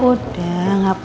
udah gak apa apa